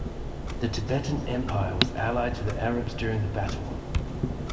The Tibetan Empire was allied to the Arabs during the battle.